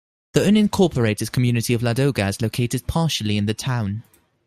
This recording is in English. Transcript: The unincorporated community of Ladoga is located partially in the town.